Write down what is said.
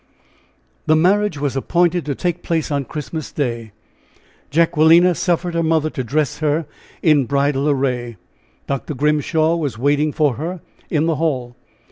The marriage was appointed to take place Christmas Day. Jacquelina suffered her mother to dress her in bridal array. Dr. Grimshaw was waiting for her in the hall.